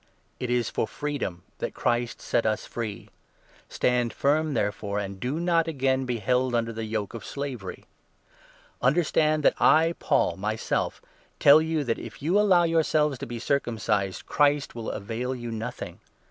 Christian It is for freedom that Christ set us free ; stand i Freedom, firm therefore, and do not again be held under the yoke of slavery. Understand that I, Paul, myself tell you that if you allow 2 yourselves to be circumcised, Christ will avail you nothing.